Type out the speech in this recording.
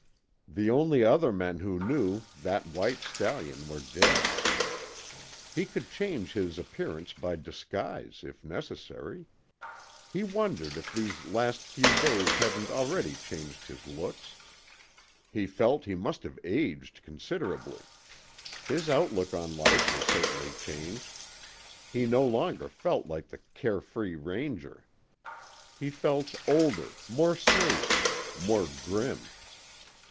The only other men who knew that white stallion were dead. He could change his appearance by disguise, if necessary. He wondered if these last few days hadn't already changed his looks. He felt he must have aged considerably. His outlook on life was certainly changed. He no longer felt like the carefree Ranger. He felt older, more serious, more grim.